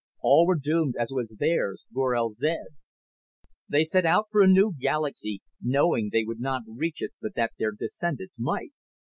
All were doomed as was theirs, Gorel zed. They set out for a new galaxy, knowing they would not reach it but that their descendants might.